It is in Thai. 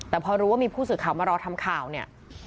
แต่พอรู้ว่ามีผู้สื่อข่าวมารอทำข่าวเนี่ย